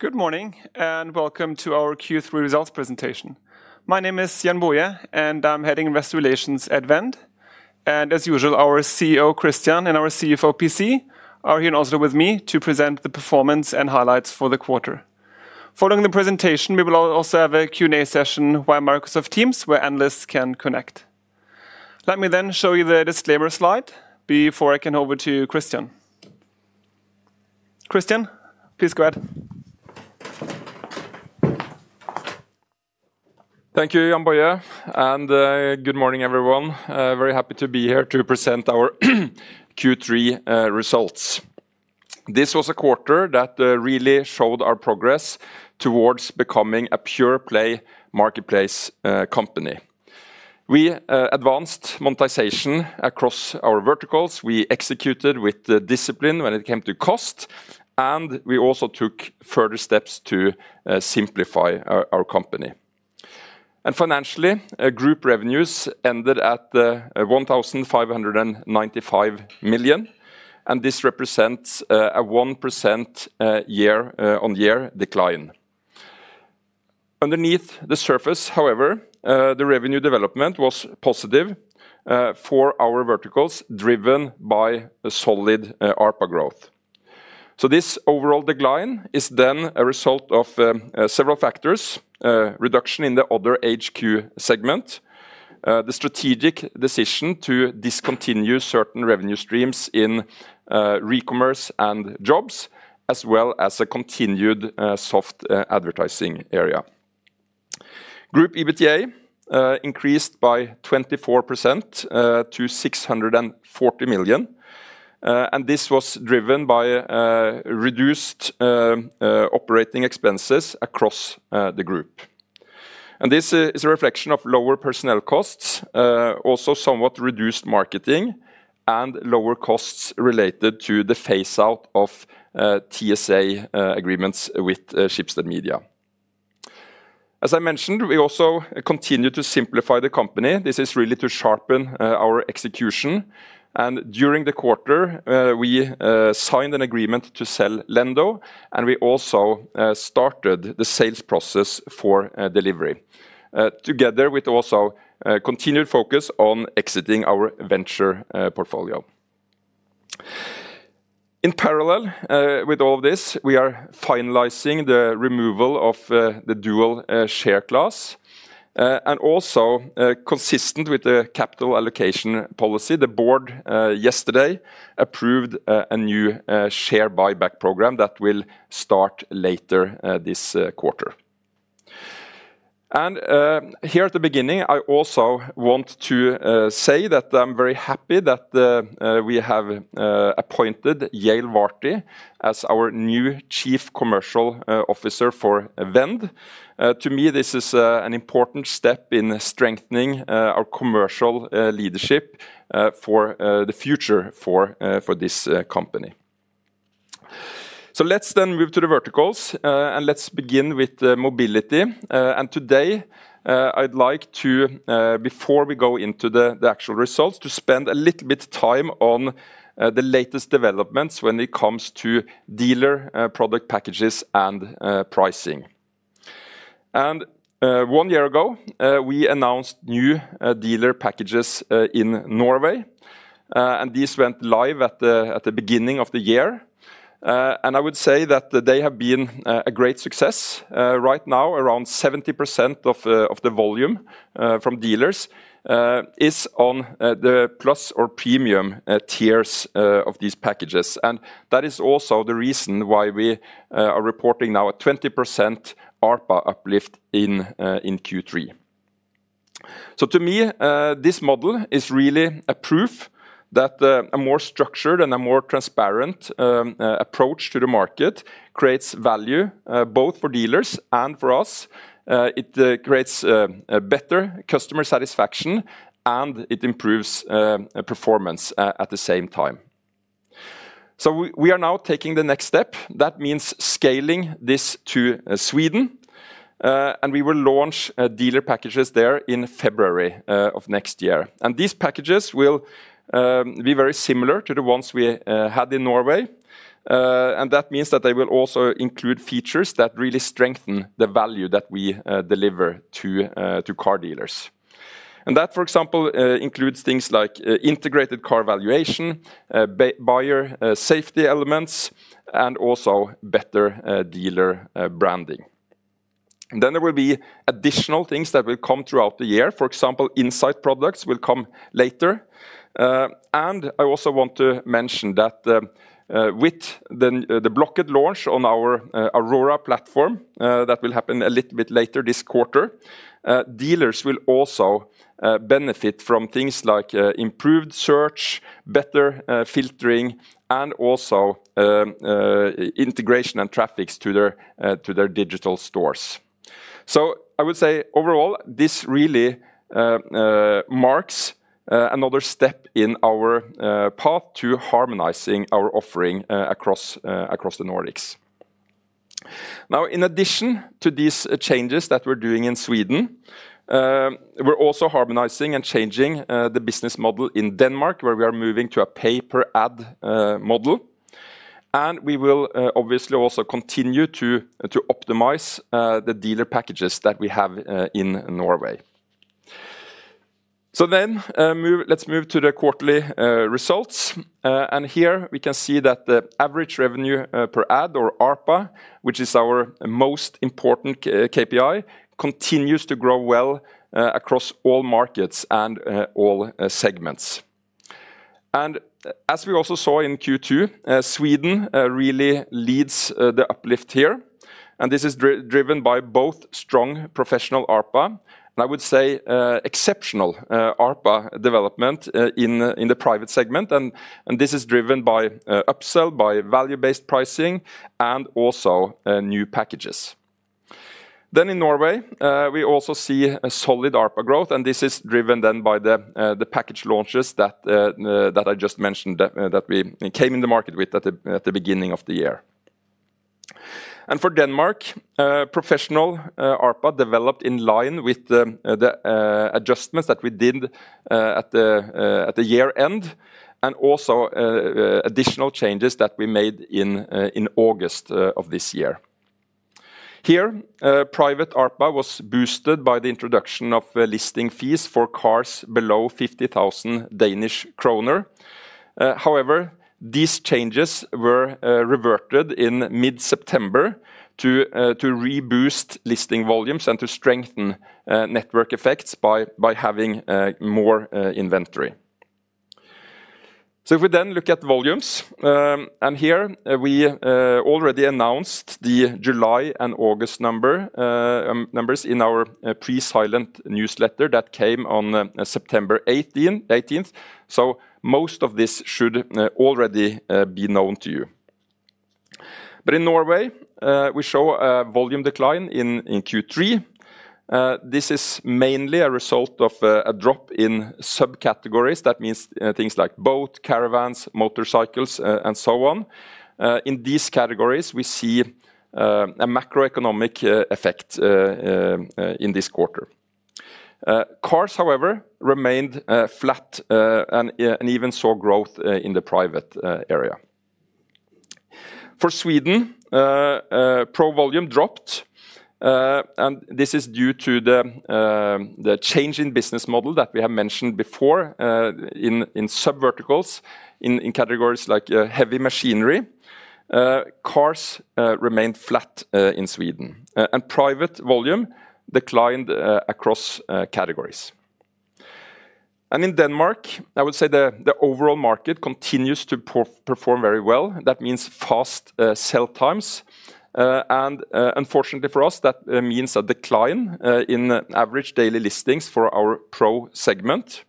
Good morning and Welcome to our Q3 results presentation. My name is Jann‑Boje and I'm heading Investor Relations at Vend. As usual, our CEO, Christian, and our CFO, PC are here also with me to present the performance and highlights for the quarter. Following the presentation, we will also have a Q&A session via Microsoft Teams where analysts can connect. Let me then show you the disclaimer slide before I can hand over to Christian. Christian, please go ahead. Thank you, Jann‑Boje, and good morning everyone. Very happy to be here to present our Q3 results. This was a quarter that really showed our progress towards becoming a pure-play marketplace company. We advanced monetization across our verticals. We executed with discipline when it came to cost, and we also took further steps to simplify our company. Financially, group revenues ended at 1,595 million, and this represents a 1% year-on-year decline. Underneath the surface, however, the revenue development was positive for our verticals, driven by solid ARPA growth. This overall decline is then a result of several factors: reduction in the other/HQ segment, the strategic decision to discontinue certain revenue streams in E-commerce and Jobs, as well as a continued soft advertising area. Group EBITDA increased by 24% to 640 million, and this was driven by reduced operating expenses across the group. This is a reflection of lower personnel costs, also somewhat reduced marketing, and lower costs related to the phase-out of TSA with Schibsted Media. As I mentioned, we also continue to simplify the company. This is really to sharpen our execution. During the quarter, we signed an agreement to sell Lendo, and we also started the sales process for Delivery, together with also continued focus on exiting our venture portfolio. In parallel with all of this, we are finalizing the removal of the dual share class, and also consistent with the capital allocation policy, the board yesterday approved a new share buyback program that will start later this quarter. Here at the beginning, I also want to say that I'm very happy that we have appointed Yale Varty as our new Chief Commercial Officer for Vend. To me, this is an important step in strengthening our commercial leadership for the future for this company. Let's then move to the verticals, and let's begin with Mobility. Today, I'd like to, before we go into the actual results, spend a little bit of time on the latest developments when it comes to dealer product packages and pricing. One year ago, we announced new dealer packages in Norway, and these went live at the beginning of the year. I would say that they have been a great success. Right now, around 70% of the volume from dealers is on the plus or premium tiers of these packages. That is also the reason why we are reporting now a 20% ARPA uplift in Q3. To me, this model is really a proof that a more structured and a more transparent approach to the market creates value both for dealers and for us. It creates better customer satisfaction, and it improves performance at the same time. We are now taking the next step. That means scaling this to Sweden, and we will launch dealer packages there in February of next year. These packages will be very similar to the ones we had in Norway. That means that they will also include features that really strengthen the value that we deliver to car dealers. That, for example, includes things like integrated car valuation, buyer safety elements, and also better dealer branding. There will be additional things that will come throughout the year. For example, insight products will come later. I also want to mention that with the Blocket launch on our Aurora platform that will happen a little bit later this quarter, dealers will also benefit from things like improved search, better filtering, and also integration and traffic to their digital stores. I would say overall, this really marks another step in our path to harmonizing our offering across the Nordics. In addition to these changes that we're doing in Sweden, we're also harmonizing and changing the business model in Denmark, where we are moving to a paper ad model. We will obviously also continue to optimize the dealer packages that we have in Norway. Let's move to the quarterly results. Here we can see that the average revenue per ad or ARPA, which is our most important KPI, continues to grow well across all markets and all segments. As we also saw in Q2, Sweden really leads the uplift here. This is driven by both strong professional ARPA and I would say exceptional ARPA development in the private segment. This is driven by upsell, by value-based pricing, and also new packages. In Norway, we also see solid ARPA growth, and this is driven then by the package launches that I just mentioned that we came in the market with at the beginning of the year. For Denmark, professional ARPA developed in line with the adjustments that we did at the year-end and also additional changes that we made in August of this year. Here, private ARPA was boosted by the introduction of listing fees for cars below 50,000 Danish kroner. However, these changes were reverted in mid-September to reboost listing volumes and to strengthen network effects by having more inventory. If we then look at volumes, and here we already announced the July and August numbers in our pre-silent newsletter that came on September 18th. Most of this should already be known to you. In Norway, we show a volume decline in Q3. This is mainly a result of a drop in subcategories. That means things like boat, caravans, motorcycles, and so on. In these categories, we see a macroeconomic effect in this quarter. Cars, however, remained flat and even saw growth in the private area. For Sweden, pro-volume dropped, and this is due to the change in business model that we have mentioned before in sub-verticals in categories like heavy machinery. Cars remained flat in Sweden, and private volume declined across categories. In Denmark, I would say the overall market continues to perform very well. That means fast sell times. Unfortunately for us, that means a decline in average daily listings for our pro segment.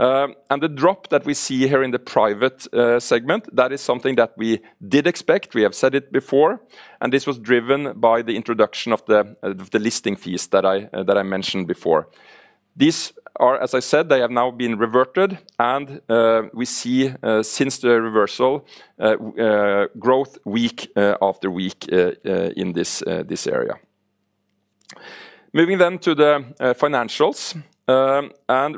The drop that we see here in the private segment, that is something that we did expect. We have said it before, and this was driven by the introduction of the listing fees that I mentioned before. These are, as I said, they have now been reverted, and we see since the reversal growth week after week in this area. Moving then to the financials,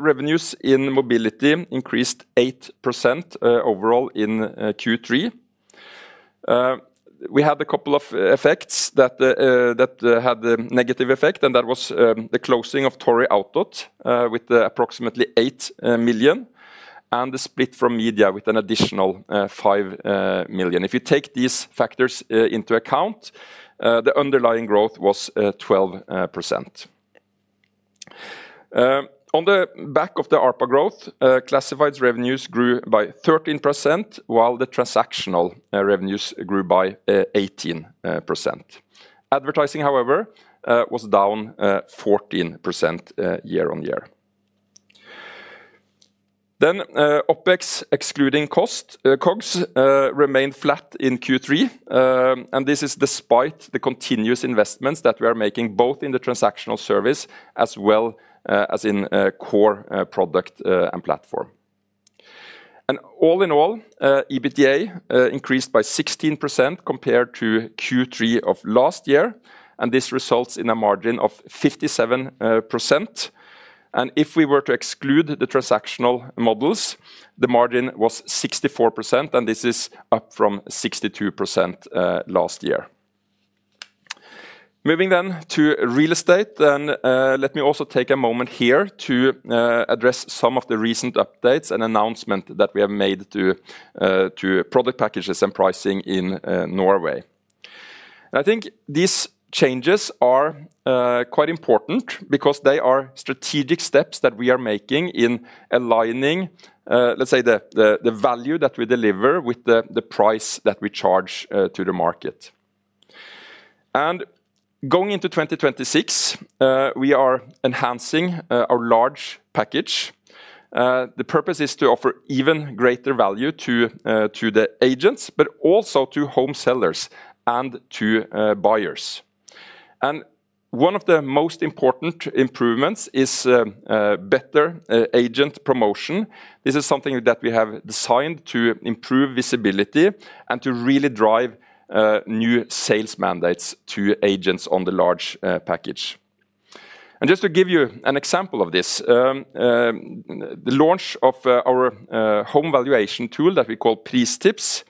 revenues in Mobility increased 8% overall in Q3. We had a couple of effects that had a negative effect, and that was the closing of Tory Auto with approximately $8 million and the split from media with an additional $5 million. If you take these factors into account, the underlying growth was 12%. On the back of the ARPA growth, classified revenues grew by 13% while the transactional revenues grew by 18%. Advertising, however, was down 14% year-on-year. OpEx excluding cost, COGS remained flat in Q3, and this is despite the continuous investments that we are making both in the transactional service as well as in core product and platform. All in all, EBITDA increased by 16% compared to Q3 of last year, and this results in a margin of 57%. If we were to exclude the transactional models, the margin was 64%, and this is up from 62% last year. Moving then to Real Estate, and let me also take a moment here to address some of the recent updates and announcements that we have made to product packages and pricing in Norway. I think these changes are quite important because they are strategic steps that we are making in aligning, let's say, the value that we deliver with the price that we charge to the market. Going into 2026, we are enhancing our large package. The purpose is to offer even greater value to the agents, but also to home sellers and to buyers. One of the most important improvements is better agent promotion. This is something that we have designed to improve visibility and to really drive new sales mandates to agents on the large package. Just to give you an example of this, the launch of our home valuation tool that we call PreStips.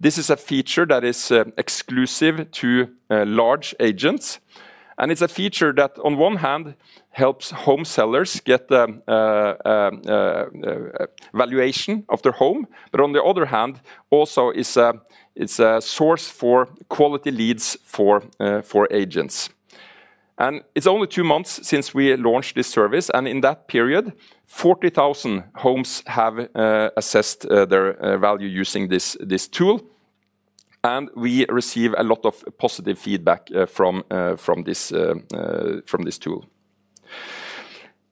This is a feature that is exclusive to large agents, and it's a feature that on one hand helps home sellers get the valuation of their home, but on the other hand, also is a source for quality leads for agents. It's only two months since we launched this service, and in that period, 40,000 homes have assessed their value using this tool, and we receive a lot of positive feedback from this tool.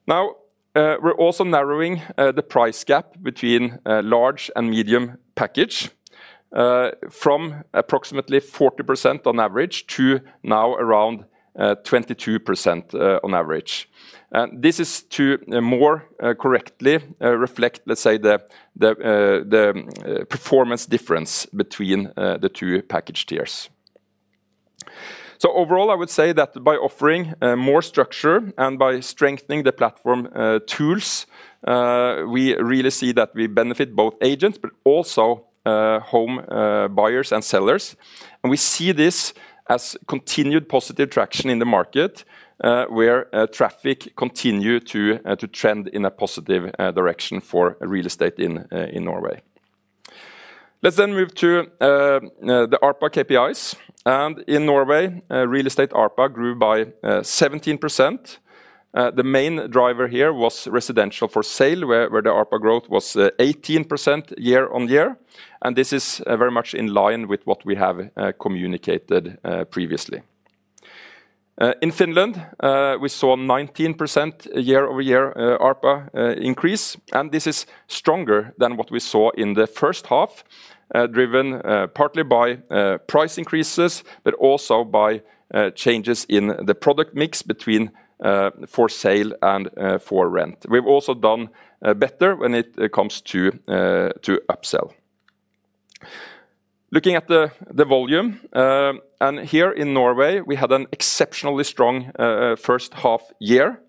Now, we're also narrowing the price gap between large and medium package from approximately 40% on average to now around 22% on average. This is to more correctly reflect, let's say, the performance difference between the two package tiers. Overall, I would say that by offering more structure and by strengthening the platform tools, we really see that we benefit both agents, but also home buyers and sellers. We see this as continued positive traction in the market where traffic continues to trend in a positive direction for real estate in Norway. Let's then move to the ARPA KPIs. In Norway, real estate ARPA grew by 17%. The main driver here was residential for sale, where the ARPA growth was 18% year-on-year. This is very much in line with what we have communicated previously. In Finland, we saw 19% year-on-year ARPA increase, and this is stronger than what we saw in the first half, driven partly by price increases, but also by changes in the product mix between for sale and for rent. We've also done better when it comes to upsell. Looking at the volume, and here in Norway, we had an exceptionally strong first half year.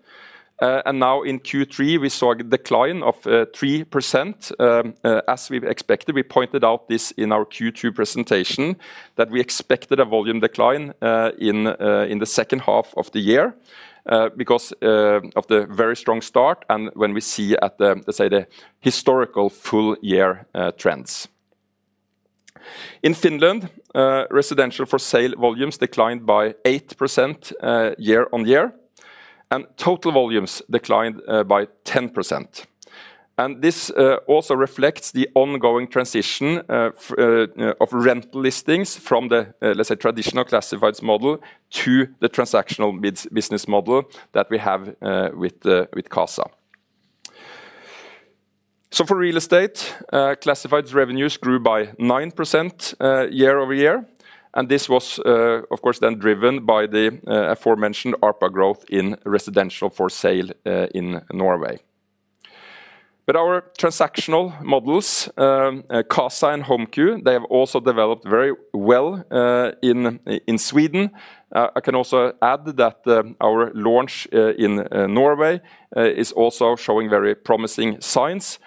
Now in Q3, we saw a decline of 3%. As we've expected, we pointed out this in our Q2 presentation that we expected a volume decline in the second half of the year because of the very strong start and when we see at the historical full year trends. In Finland, residential for sale volumes declined by 8% year-on-year, and total volumes declined by 10%. This also reflects the ongoing transition of rental listings from the, let's say, traditional classifieds model to the transactional business model that we have with Kasa. For Real Estate, classifieds revenues grew by 9% year-over-year. This was, of course, then driven by the aforementioned ARPA growth in residential for sale in Norway. Our transactional models, Kasa and HomeQ, have also developed very well in Sweden. I can also add that our launch in Norway is also showing very promising signs.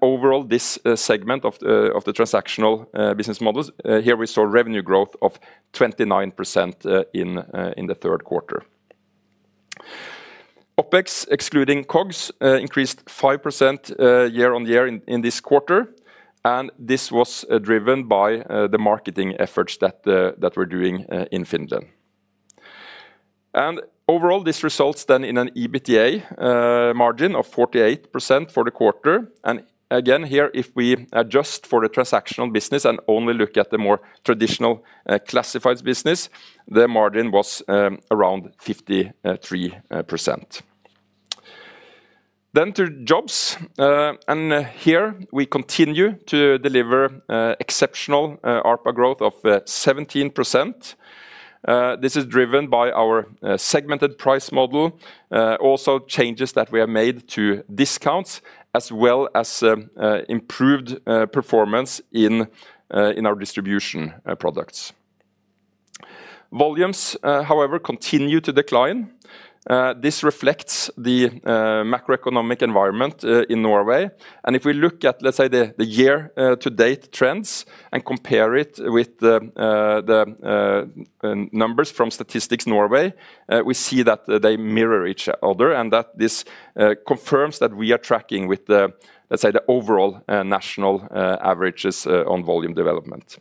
Overall, this segment of the transactional business models, here we saw revenue growth of 29% in the third quarter. OpEx excluding COGS increased 5% year-on-year in this quarter. This was driven by the marketing efforts that we're doing in Finland. Overall, this results then in an EBITDA margin of 48% for the quarter. If we adjust for the transactional business and only look at the more traditional classifieds business, the margin was around 53%. To Jobs, we continue to deliver exceptional ARPA growth of 17%. This is driven by our segmented price model, also changes that we have made to discounts, as well as improved performance in our distribution products. Volumes, however, continue to decline. This reflects the macroeconomic environment in Norway. If we look at, let's say, the year-to-date trends and compare it with the numbers from Statistics Norway, we see that they mirror each other and that this confirms that we are tracking with, let's say, the overall national averages on volume development.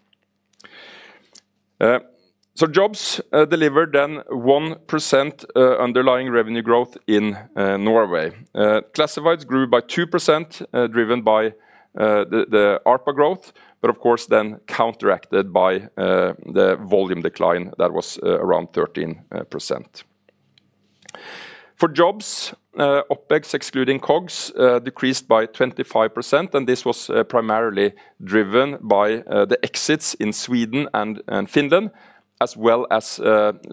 Jobs delivered then 1% underlying revenue growth in Norway. Classifieds grew by 2%, driven by the ARPA growth, but of course then counteracted by the volume decline that was around 13%. For Jobs, OpEx excluding COGS decreased by 25%, and this was primarily driven by the exits in Sweden and Finland, as well as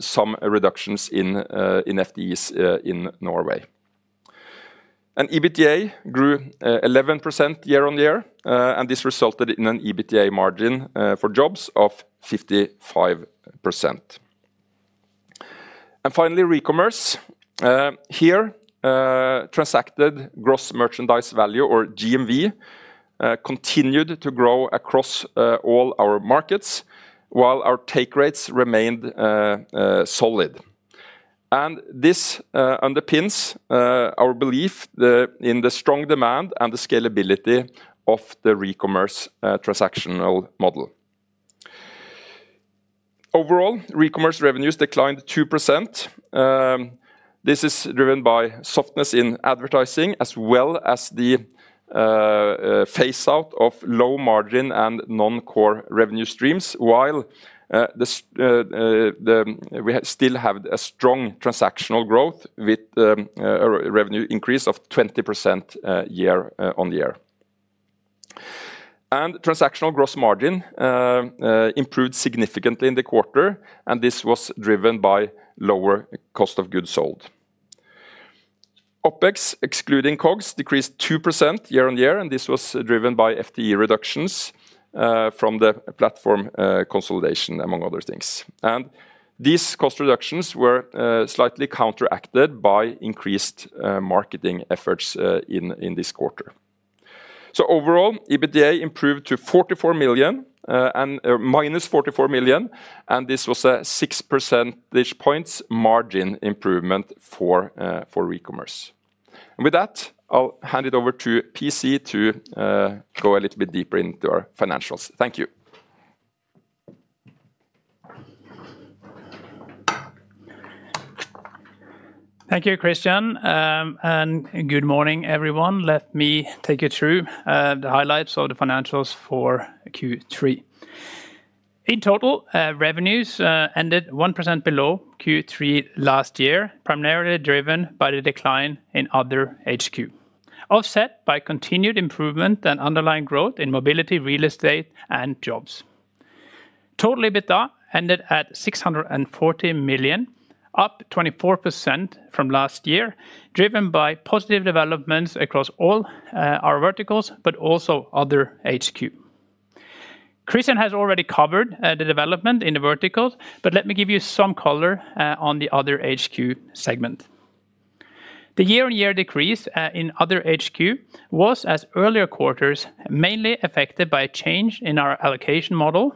some reductions in FTEs in Norway. EBITDA grew 11% year-on-year, and this resulted in an EBITDA margin for Jobs of 55%. Finally, e-commerce. Here, transacted gross merchandise value, or GMV, continued to grow across all our markets while our take rates remained solid. This underpins our belief in the strong demand and the scalability of the e-commerce transactional model. Overall, e-commerce revenues declined 2%. This is driven by softness in advertising, as well as the phase-out of low margin and non-core revenue streams, while we still have a strong transactional growth with a revenue increase of 20% year-on-year. Transactional gross margin improved significantly in the quarter, and this was driven by lower cost of goods sold. OpEx excluding COGS decreased 2% year-on-year, and this was driven by FTE reductions from the platform consolidation, among other things. These cost reductions were slightly counteracted by increased marketing efforts in this quarter. Overall, EBITDA improved to 44 million, and -44 million, and this was a 6% margin improvement for e-commerce. With that, I'll hand it over to PC to go a little bit deeper into our financials. Thank you. Thank you, Christian. Good morning, everyone. Let me take you through the highlights of the financials for Q3. In total, revenues ended 1% below Q3 last year, primarily driven by the decline in Other HQ, offset by continued improvement and underlying growth in Mobility, Real Estate, and Jobs. Total EBITDA ended at 640 million, up 24% from last year, driven by positive developments across all our verticals, but also Other HQ. Christian has already covered the development in the verticals, but let me give you some color on the Other HQ segment. The year-on-year decrease in Other HQ was, as earlier quarters, mainly affected by a change in our allocation model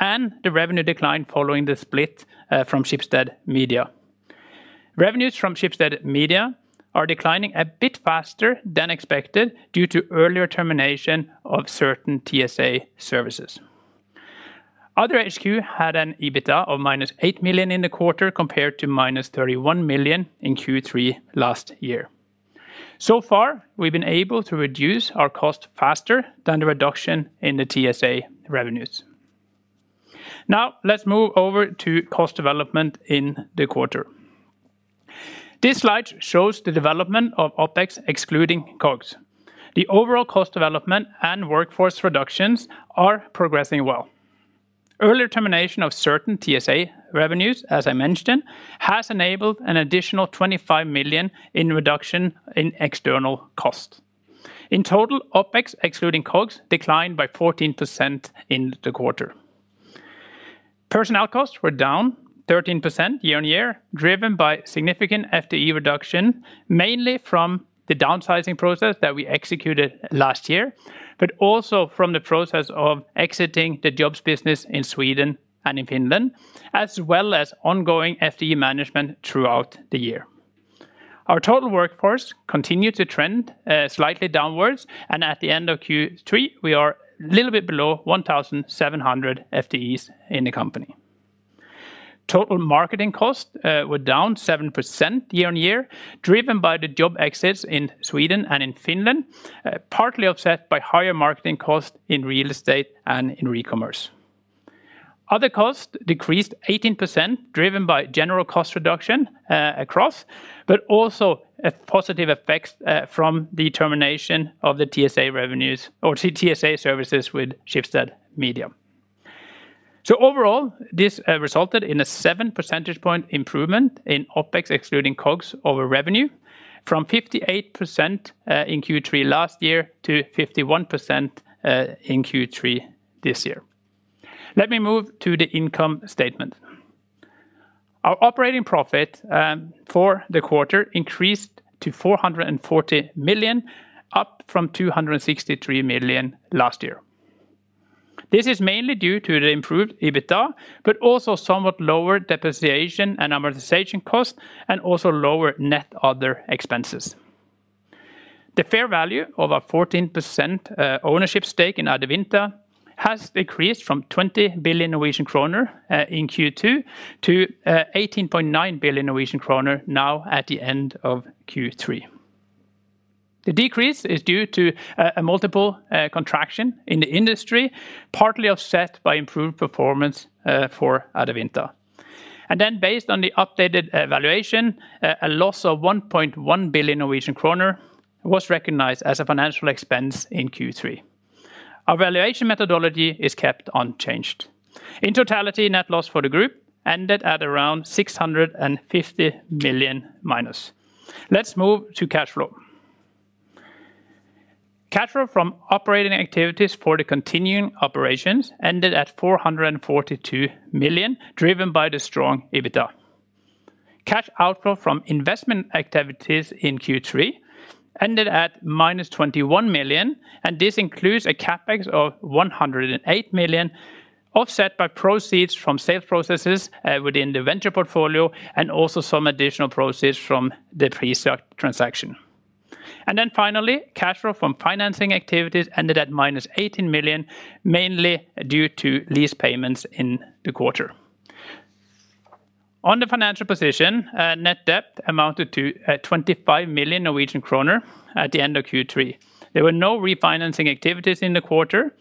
and the revenue decline following the split from Schibsted Media. Revenues from Schibsted Media are declining a bit faster than expected due to earlier termination of certain TSA services. Other HQ had an EBITDA of -8 million in the quarter compared to -31 million in Q3 last year. So far, we've been able to reduce our cost faster than the reduction in the TSA revenues. Now, let's move over to cost development in the quarter. This slide shows the development of OpEx excluding COGS. The overall cost development and workforce reductions are progressing well. Earlier termination of certain TSA revenues, as I mentioned, has enabled an additional 25 million in reduction in external costs. In total, OpEx excluding COGS declined by 14% in the quarter. Personnel costs were down 13% year-on-year, driven by significant FTE reduction, mainly from the downsizing process that we executed last year, but also from the process of exiting the Jobs business in Sweden and in Finland, as well as ongoing FTE management throughout the year. Our total workforce continued to trend slightly downwards, and at the end of Q3, we are a little bit below 1,700 FTEs in the company. Total marketing costs were down 7% year-on-year, driven by the Job exits in Sweden and in Finland, partly offset by higher marketing costs in Real Estate and in E-commerce. Other costs decreased 18%, driven by general cost reduction across, but also positive effects from the termination of the TSA revenues or TSA services with Schibsted Media. Overall, this resulted in a 7 percentage point improvement in OpEx excluding COGS over revenue, from 58% in Q3 last year to 51% in Q3 this year. Let me move to the income statement. Our operating profit for the quarter increased to 440 million, up from 263 million last year. This is mainly due to the improved EBITDA, but also somewhat lower depreciation and amortization costs, and also lower net other expenses. The fair value of a 14% ownership stake in Adevinta has decreased from 20 billion Norwegian kroner in Q2 to 18.9 billion Norwegian kroner now at the end of Q3. The decrease is due to a multiple contraction in the industry, partly offset by improved performance for Adevinta, and then based on the updated valuation, a loss of 1.1 billion Norwegian kroner was recognized as a financial expense in Q3. Our valuation methodology is kept unchanged. In totality, net loss for the group ended at around 650 million-. Let's move to cash flow. Cash flow from operating activities for the continuing operations ended at 442 million, driven by the strong EBITDA. Cash outflow from investment activities in Q3 ended at minus 21 million, and this includes a CapEx of 108 million, offset by proceeds from sales processes within the venture portfolio and also some additional proceeds from the pre-sale transaction. Finally, cash flow from financing activities ended at minus 18 million, mainly due to lease payments in the quarter. On the financial position, net debt amounted to 25 million Norwegian kroner at the end of Q3. There were no refinancing activities in the quarter.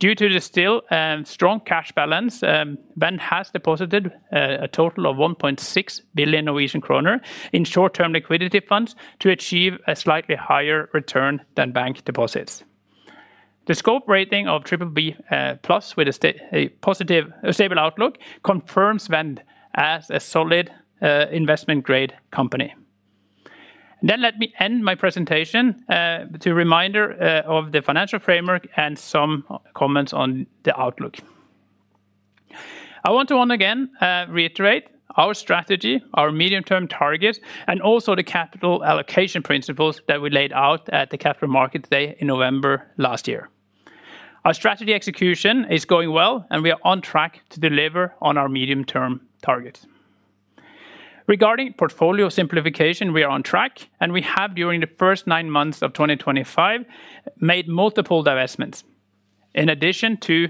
Due to the still strong cash balance, Vend has deposited a total of 1.6 billion Norwegian kroner in short-term liquidity funds to achieve a slightly higher return than bank deposits. The Scope ratings of BBB+ with a stable outlook confirms Vend as a solid investment-grade company. Let me end my presentation with a reminder of the financial framework and some comments on the outlook. I want to once again reiterate our strategy, our medium-term targets, and also the capital allocation principles that we laid out at the Capital Markets Day in November last year. Our strategy execution is going well, and we are on track to deliver on our medium-term targets. Regarding portfolio simplification, we are on track, and we have during the first nine months of 2025 made multiple divestments. In addition to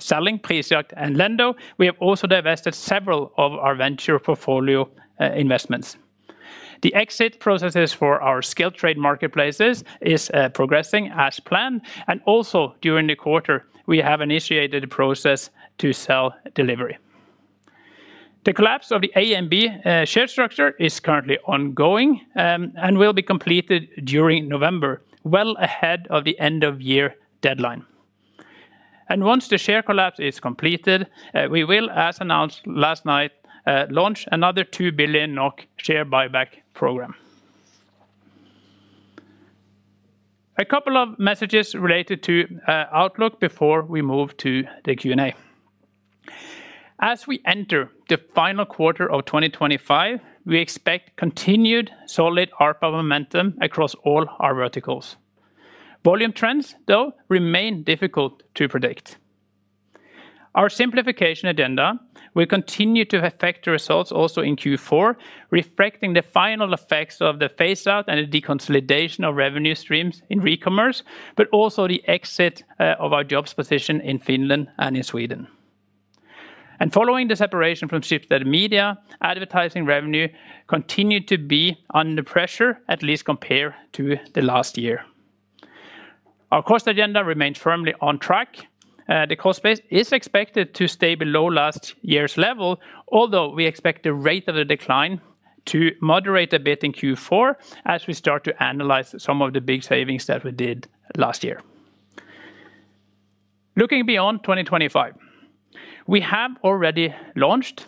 selling PreStips and Lendo, we have also divested several of our venture portfolio investments. The exit processes for our scale trade marketplaces are progressing as planned, and also during the quarter, we have initiated a process to sell Delivery. The collapse of the AMB share structure is currently ongoing and will be completed during November, well ahead of the end-of-year deadline. Once the share collapse is completed, we will, as announced last night, launch another 2 billion NOK share buyback program. A couple of messages related to outlook before we move to the Q&A. As we enter the final quarter of 2025, we expect continued solid ARPA momentum across all our verticals. Volume trends, though, remain difficult to predict. Our simplification agenda will continue to affect the results also in Q4, reflecting the final effects of the phase-out and the deconsolidation of revenue streams in E-commerce, but also the exit of our Jobs position in Finland and in Sweden. Following the separation from Schibsted Media, advertising revenue continued to be under pressure, at least compared to last year. Our cost agenda remains firmly on track. The cost base is expected to stay below last year's level, although we expect the rate of the decline to moderate a bit in Q4 as we start to analyze some of the big savings that we did last year. Looking beyond 2025, we have already launched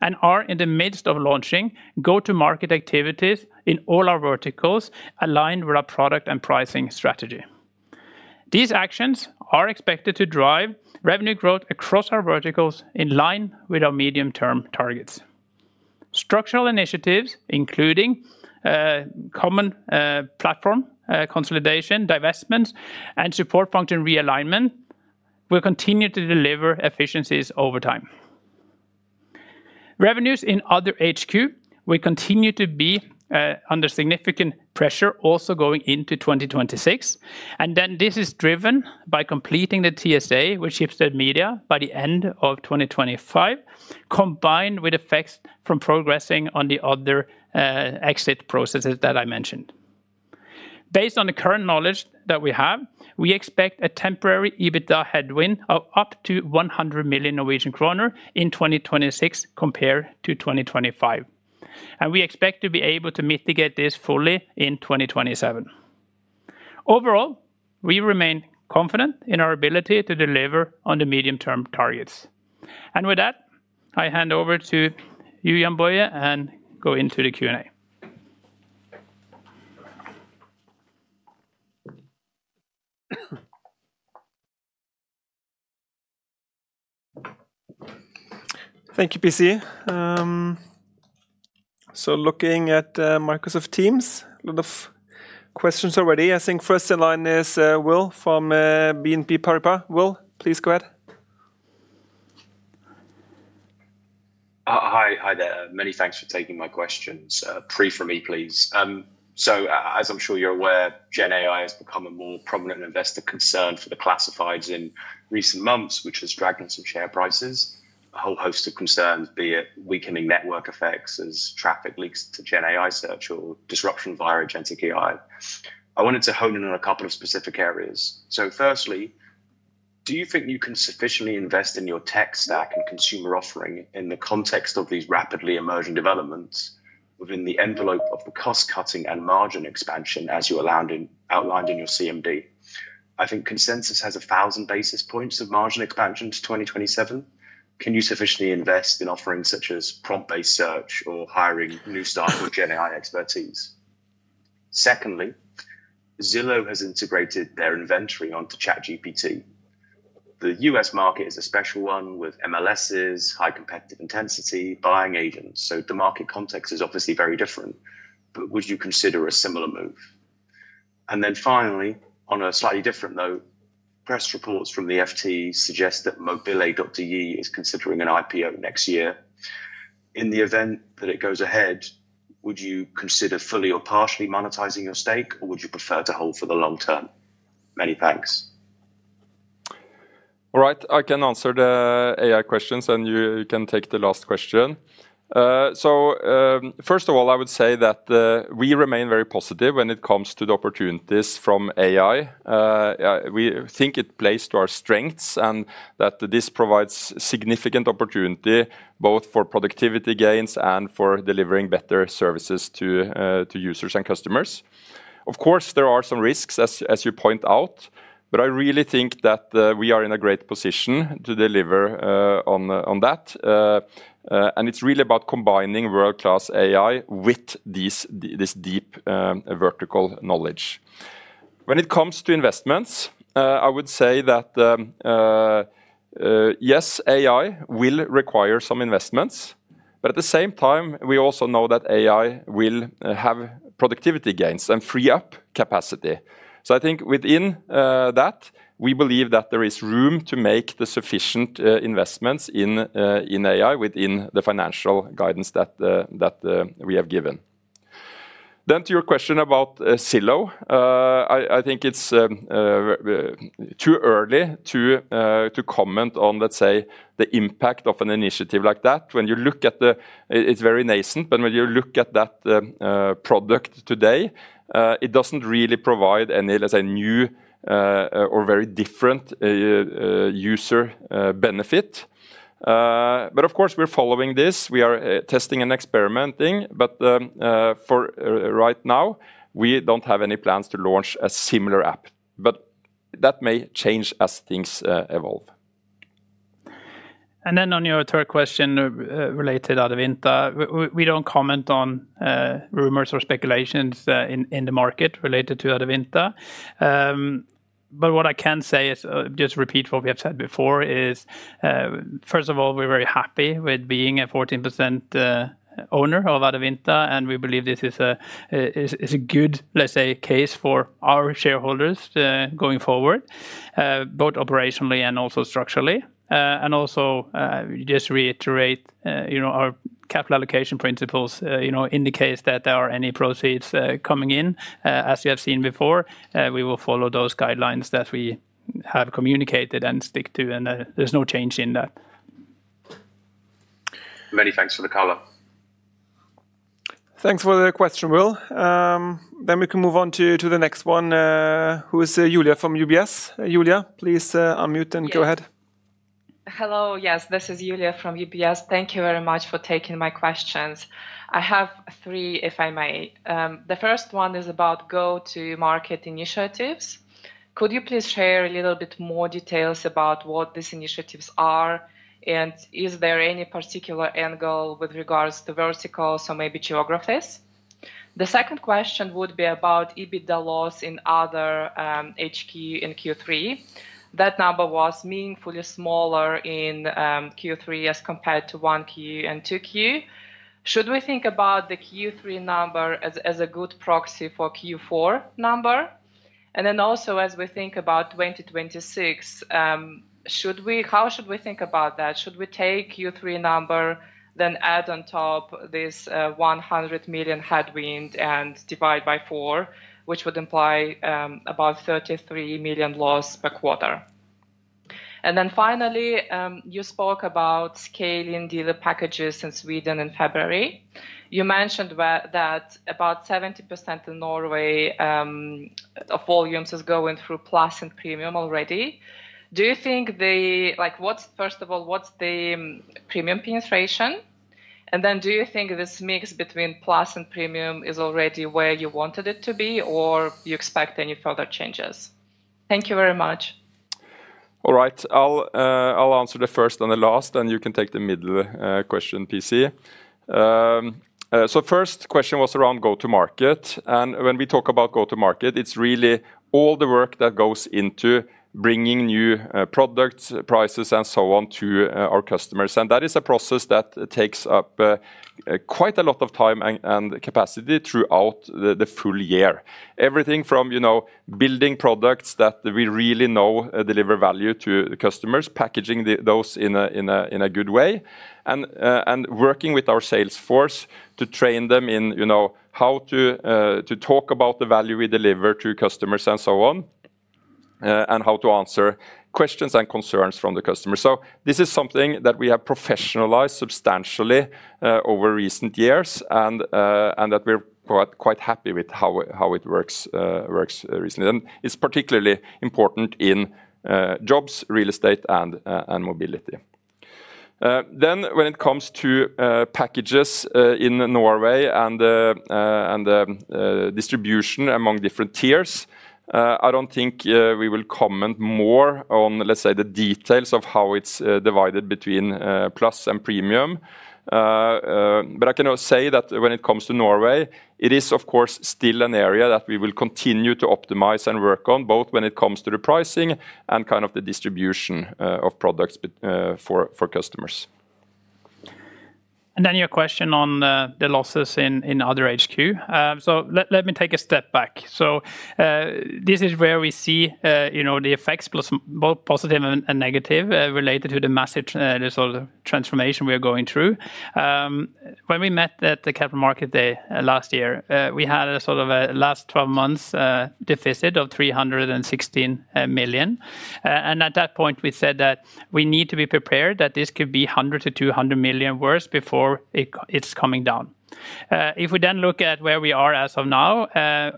and are in the midst of launching go-to-market activities in all our verticals aligned with our product and pricing strategy. These actions are expected to drive revenue growth across our verticals in line with our medium-term targets. Structural initiatives, including common platform consolidation, divestments, and support function realignment, will continue to deliver efficiencies over time. Revenues in other HQ will continue to be under significant pressure also going into 2026. This is driven by completing the TSA with Schibsted Media by the end of 2025, combined with effects from progressing on the other exit processes that I mentioned. Based on the current knowledge that we have, we expect a temporary EBITDA headwind of up to 100 million Norwegian kroner in 2026 compared to 2025. We expect to be able to mitigate this fully in 2027. Overall, we remain confident in our ability to deliver on the medium-term targets. With that, I hand over to you, Jann‑Boje, and go into the Q&A. Thank you, PC. Looking at Microsoft Teams, a lot of questions already. I think first in line is Will from BNP Paribas. Will, please go ahead. Hi, there. Many thanks for taking my questions. [Pri from E], please. As I'm sure you're aware, GenAI has become a more prominent investor concern for the classifieds in recent months, which has dragged on some share prices. A whole host of concerns, be it weakening network effects as traffic leaks to GenAI search or disruption via agentic AI. I wanted to hone in on a couple of specific areas. Firstly, do you think you can sufficiently invest in your tech stack and consumer offering in the context of these rapidly emerging developments within the envelope of the cost cutting and margin expansion as you outlined in your CMD? I think Consensus has 1,000 basis points of margin expansion to 2027. Can you sufficiently invest in offerings such as prompt-based search or hiring new staff with GenAI expertise? Secondly, Zillow has integrated their inventory onto ChatGPT. The US market is a special one with MLSs, high competitive intensity, buying agents. The market context is obviously very different, would you consider a similar move? Finally, on a slightly different note, press reports from the FT suggest that Mobileye Dr. Yi is considering an IPO next year. In the event that it goes ahead, would you consider fully or partially monetizing your stake, or would you prefer to hold for the long term? Many thanks. All right, I can answer the AI questions, and you can take the last question. First of all, I would say that we remain very positive when it comes to the opportunities from AI. We think it plays to our strengths and that this provides significant opportunity both for productivity gains and for delivering better services to users and customers. Of course, there are some risks, as you point out, but I really think that we are in a great position to deliver on that. It's really about combining world-class AI with this deep vertical knowledge. When it comes to investments, I would say that yes, AI will require some investments, but at the same time, we also know that AI will have productivity gains and free up capacity. Within that, we believe that there is room to make the sufficient investments in AI within the financial guidance that we have given. To your question about Zillow, I think it's too early to comment on, let's say, the impact of an initiative like that. It's very nascent, but when you look at that product today, it doesn't really provide any, let's say, new or very different user benefit. Of course, we're following this. We are testing and experimenting, but for right now, we don't have any plans to launch a similar app. That may change as things evolve. On your third question related to Adevinta, we don't comment on rumors or speculations in the market related to Adevinta. What I can say is just repeat what we have said before. First of all, we're very happy with being a 14% owner of Adevinta, and we believe this is a good case for our shareholders going forward, both operationally and also structurally. Also, just to reiterate, our capital allocation principles indicate that if there are any proceeds coming in, as you have seen before, we will follow those guidelines that we have communicated and stick to, and there's no change in that. Many thanks for the color. Thanks for the question, Will. We can move on to the next one, who is Julia from UBS. Julia, please unmute and go ahead. Hello, yes, this is Julia from UBS. Thank you very much for taking my questions. I have three, if I may. The first one is about go-to-market initiatives. Could you please share a little bit more details about what these initiatives are, and is there any particular angle with regards to verticals or maybe geographies? The second question would be about EBITDA loss in other HQ in Q3. That number was meaningfully smaller in Q3 as compared to Q1 and Q2. Should we think about the Q3 number as a good proxy for Q4 number? Also, as we think about 2026, how should we think about that? Should we take Q3 number, then add on top this 100 million headwind and divide by four, which would imply about 33 million loss per quarter? Finally, you spoke about scaling dealer packages in Sweden in February. You mentioned that about 70% in Norway of volumes is going through plus and premium already. What's the premium penetration? Do you think this mix between plus and premium is already where you wanted it to be, or do you expect any further changes? Thank you very much. All right, I'll answer the first and the last, and you can take the middle question, PC. The first question was around go-to-market. When we talk about go-to-market, it's really all the work that goes into bringing new products, prices, and so on to our customers. That is a process that takes up quite a lot of time and capacity throughout the full year. Everything from building products that we really know deliver value to customers, packaging those in a good way, and working with our sales force to train them in how to talk about the value we deliver to customers and how to answer questions and concerns from the customers. This is something that we have professionalized substantially over recent years, and we're quite happy with how it works recently. It's particularly important in Jobs, Real Estate, and Mobility. When it comes to packages in Norway and distribution among different tiers, I don't think we will comment more on the details of how it's divided between plus and premium. I can say that when it comes to Norway, it is, of course, still an area that we will continue to optimize and work on, both when it comes to the pricing and the distribution of products for customers. Your question on the losses in other HQ. Let me take a step back. This is where we see the effects, both positive and negative, related to the massive transformation we are going through. When we met at the Capital Market Day last year, we had a sort of last 12 months deficit of 316 million. At that point, we said that we need to be prepared that this could be 100 million-200 million worse before it's coming down. If we look at where we are as of now,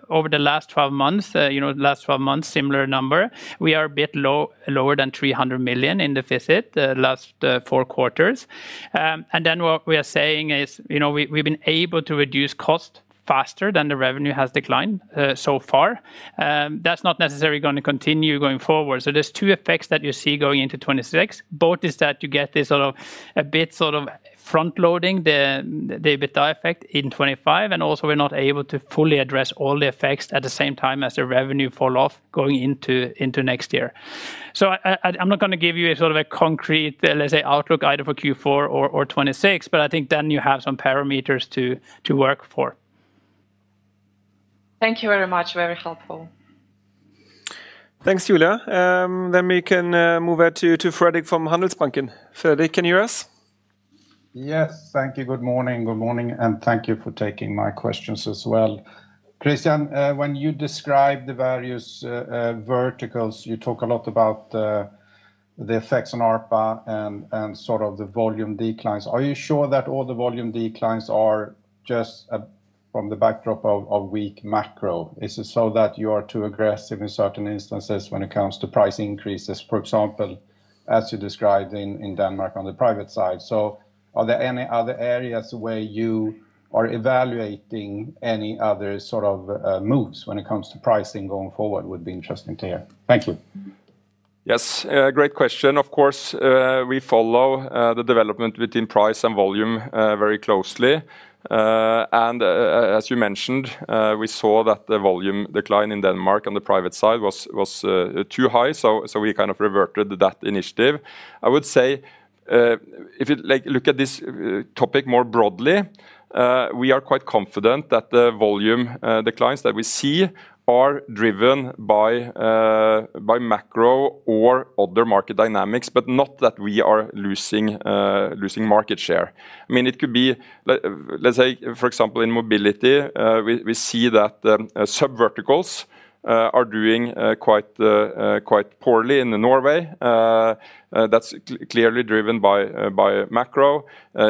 over the last 12 months, similar number, we are a bit lower than 300 million in deficit the last four quarters. What we are saying is we've been able to reduce costs faster than the revenue has declined so far. That's not necessarily going to continue going forward. There are two effects that you see going into 2026. Both are that you get this sort of a bit of front-loading the EBITDA effect in 2025, and also, we're not able to fully address all the effects at the same time as the revenue falls off going into next year. I'm not going to give you a concrete outlook either for Q4 or 2026, but I think you have some parameters to work for. Thank you very much, very helpful. Thanks, Julia. We can move it to Fredrik from Handelsbanken. Fredrik, can you hear us? Yes, thank you. Good morning, and thank you for taking my questions as well. Christian, when you describe the various verticals, you talk a lot about the effects on ARPA and sort of the volume declines. Are you sure that all the volume declines are just from the backdrop of weak macro? Is it so that you are too aggressive in certain instances when it comes to price increases, for example, as you described in Denmark on the private side? Are there any other areas where you are evaluating any other sort of moves when it comes to pricing going forward? It would be interesting to hear. Thank you. Yes, great question. Of course, we follow the development between price and volume very closely. As you mentioned, we saw that the volume decline in Denmark on the private side was too high, so we kind of reverted to that initiative. I would say if you look at this topic more broadly, we are quite confident that the volume declines that we see are driven by macro or other market dynamics, but not that we are losing market share. I mean, it could be, for example, in Mobility, we see that sub-verticals are doing quite poorly in Norway. That's clearly driven by macro.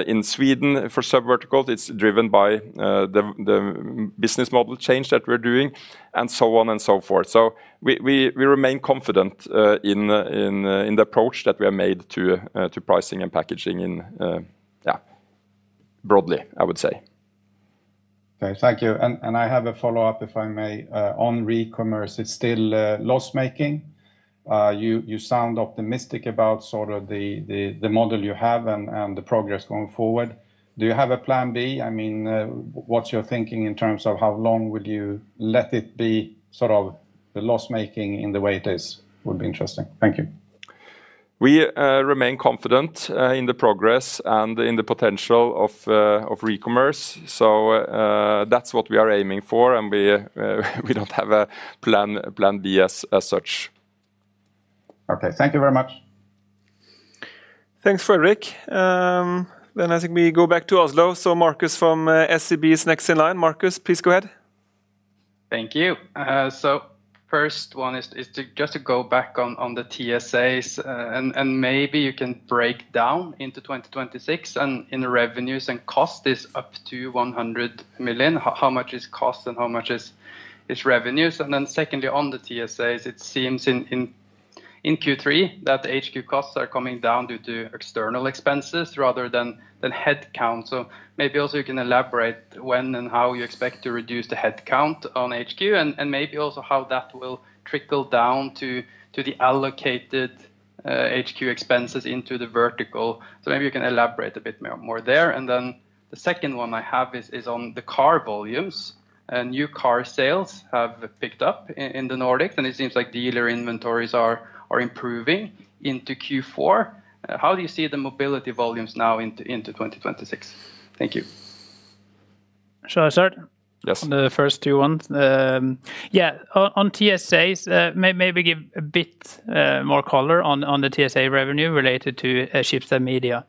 In Sweden, for sub-verticals, it's driven by the business model change that we're doing, and so on and so forth. We remain confident in the approach that we have made to pricing and packaging in broadly, I would say. Thank you. I have a follow-up, if I may, on e-commerce. It's still loss-making. You sound optimistic about the model you have and the progress going forward. Do you have a plan B? I mean, what's your thinking in terms of how long will you let it be loss-making in the way it is? It would be interesting. Thank you. We remain confident in the progress and in the potential of e-commerce. That is what we are aiming for, and we don't have a plan B as such. Okay, thank you very much. Thanks, Fredrik. I think we go back to [Oslo]. Markus from SEB is next in line. Markus, please go ahead. Thank you. The first one is just to go back on the transitional service agreements, and maybe you can break down into 2026, and in revenues and cost is up to 100 million. How much is cost and how much is revenues? The second point on the transitional service agreements, it seems in Q3 that the HQ costs are coming down due to external expenses rather than headcount. Maybe you can also elaborate when and how you expect to reduce the headcount on HQ, and maybe also how that will trickle down to the allocated HQ expenses into the verticals. Maybe you can elaborate a bit more there. The second one I have is on the car volumes. New car sales have picked up in the Nordics, and it seems like dealer inventories are improving into Q4. How do you see the Mobility volumes now into 2026? Thank you. Shall I start? Yes. On the first two ones? Yeah, on TSAs, maybe give a bit more color on the TSA revenue related to Schibsted Media.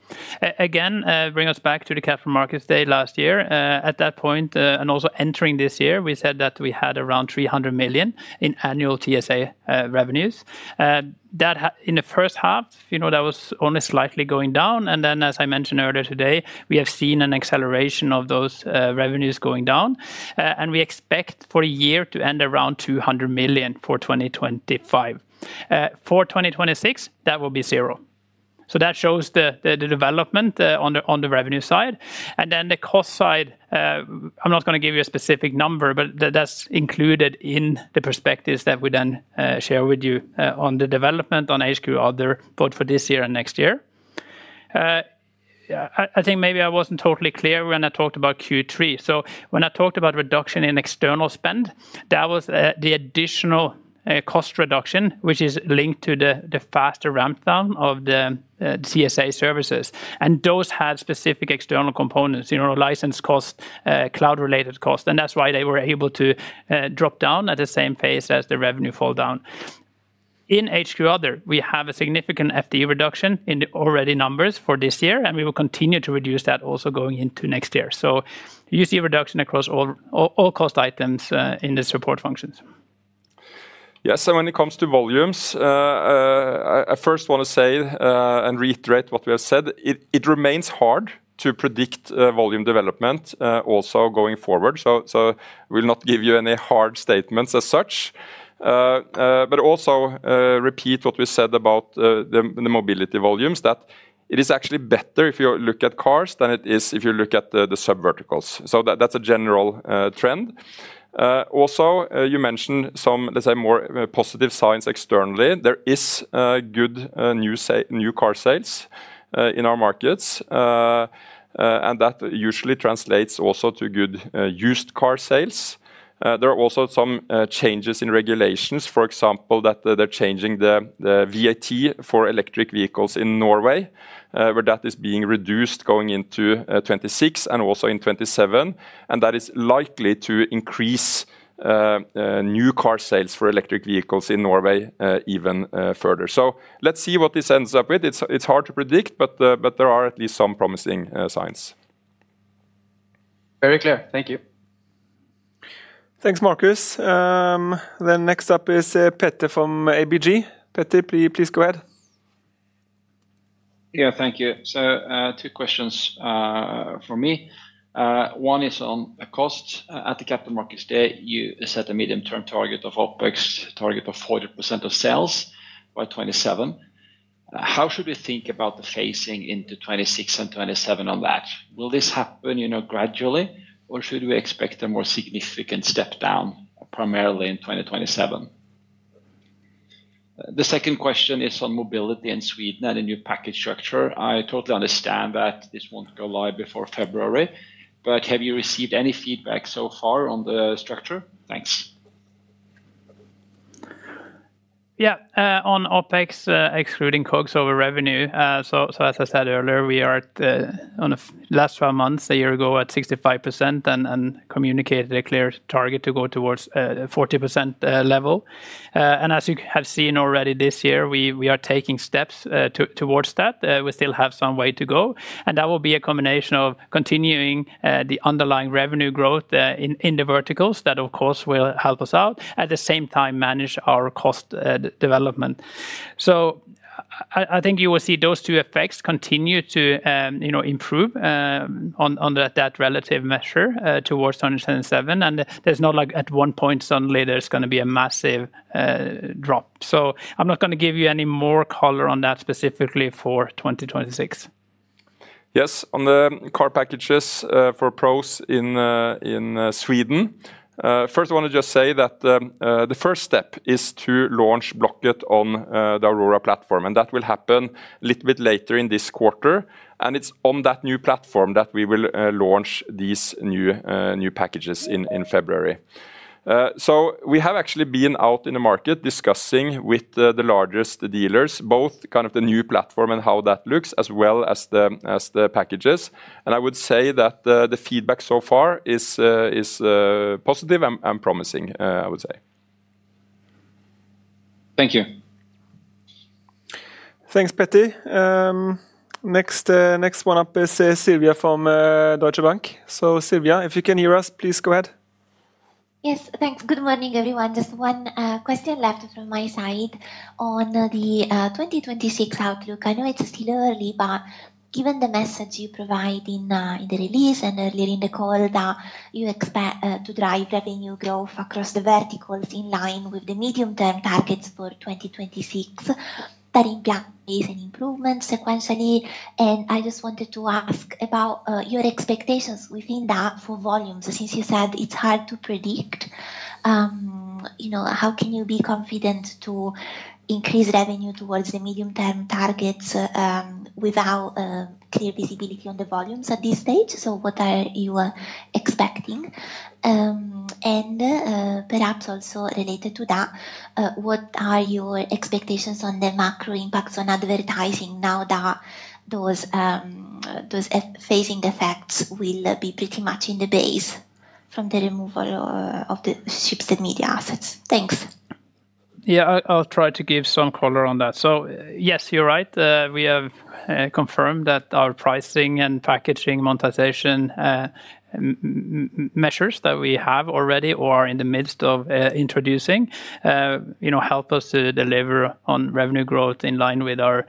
Again, bring us back to the Capital Markets Day last year. At that point, and also entering this year, we said that we had around 300 million in annual TSA revenues. In the first half, that was only slightly going down. As I mentioned earlier today, we have seen an acceleration of those revenues going down. We expect for the year to end around 200 million for 2025. For 2026, that will be zero. That shows the development on the revenue side. On the cost side, I'm not going to give you a specific number, but that's included in the perspectives that we then share with you on the development on HQ, both for this year and next year. I think maybe I wasn't totally clear when I talked about Q3. When I talked about reduction in external spend, that was the additional cost reduction, which is linked to the faster ramp down of the TSA services. Those had specific external components, license costs, cloud-related costs. That's why they were able to drop down at the same pace as the revenue fall down. In HQ other, we have a significant FTE reduction in the already numbers for this year, and we will continue to reduce that also going into next year. You see a reduction across all cost items in the support functions. Yes, so when it comes to volumes, I first want to say and reiterate what we have said. It remains hard to predict volume development also going forward. We'll not give you any hard statements as such. I also repeat what we said about the Mobility volumes, that it is actually better if you look at cars than it is if you look at the sub-verticals. That's a general trend. You mentioned some, let's say, more positive signs externally. There is good new car sales in our markets, and that usually translates also to good used car sales. There are also some changes in regulations, for example, that they're changing the VAT for electric vehicles in Norway, where that is being reduced going into 2026 and also in 2027. That is likely to increase new car sales for electric vehicles in Norway even further. Let's see what this ends up with. It's hard to predict, but there are at least some promising signs. Very clear. Thank you. Thanks, Markus. Next up is Petter from ABG. Petter, please go ahead. Thank you. Two questions from me. One is on costs. At the Capital Markets Day, you set a medium-term target of OpEx, target of 40% of sales by 2027. How should we think about the phasing into 2026 and 2027 on that? Will this happen gradually, or should we expect a more significant step down primarily in 2027? The second question is on Mobility in Sweden and a new package structure. I totally understand that this won't go live before February, but have you received any feedback so far on the structure? Thanks. Yeah, on OpEx excluding COGS over revenue. As I said earlier, we are at the last 12 months, a year ago, at 65% and communicated a clear target to go towards a 40% level. As you have seen already this year, we are taking steps towards that. We still have some way to go. That will be a combination of continuing the underlying revenue growth in the verticals that, of course, will help us out. At the same time, manage our cost development. I think you will see those two effects continue to improve on that relative measure towards 2027. There is not like at one point suddenly there's going to be a massive drop. I'm not going to give you any more color on that specifically for 2026. Yes, on the car packages for pros in Sweden, first I want to just say that the first step is to launch Blocket on the Aurora platform. That will happen a little bit later in this quarter. It is on that new platform that we will launch these new packages in February. We have actually been out in the market discussing with the largest dealers, both the new platform and how that looks, as well as the packages. I would say that the feedback so far is positive and promising, I would say. Thank you. Thanks, Petter. Next one up is Silvia from Deutsche Bank. Silvia, if you can hear us, please go ahead. Yes, thanks. Good morning, everyone. Just one question left from my side on the 2026 outlook. I know it's still early, but given the message you provide in the release and earlier in the call that you expect to drive revenue growth across the verticals in line with the medium-term targets for 2026, that implies an improvement sequentially. I just wanted to ask about your expectations within that for volumes, since you said it's hard to predict. How can you be confident to increase revenue towards the medium-term targets without clear visibility on the volumes at this stage? What are you expecting? Perhaps also related to that, what are your expectations on the macro impacts on advertising now that those phasing effects will be pretty much in the base from the removal of the Schibsted Media assets? Thanks. I'll try to give some color on that. Yes, you're right. We have confirmed that our pricing and packaging monetization measures that we have already or are in the midst of introducing help us to deliver on revenue growth in line with our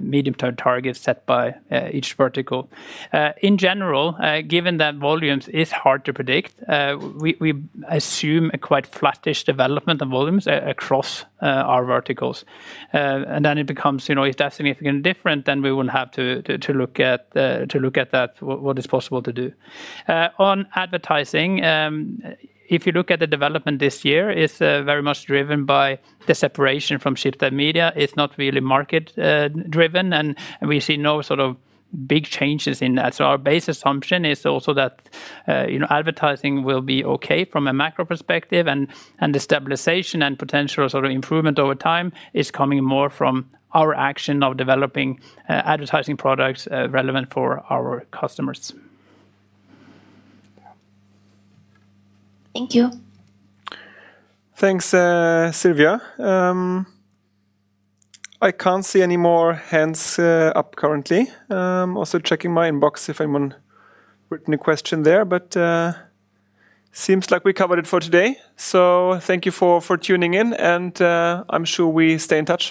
medium-term targets set by each vertical. In general, given that volumes are hard to predict, we assume a quite flattish development of volumes across our verticals. It becomes, you know, is that significantly different? We would have to look at that, what is possible to do. On advertising, if you look at the development this year, it's very much driven by the separation from Schibsted Media. It's not really market-driven, and we see no sort of big changes in that. Our base assumption is also that advertising will be okay from a macro perspective, and the stabilization and potential sort of improvement over time is coming more from our action of developing advertising products relevant for our customers. Thank you. Thanks, Silvia. I can't see any more hands up currently. I'm also checking my inbox if anyone has written a question there, but it seems like we covered it for today. Thank you for tuning in, and I'm sure we stay in touch.